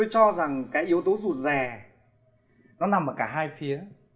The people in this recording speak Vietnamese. tôi cho rằng cái yếu tố rụt rè nó nằm ở cả hai phía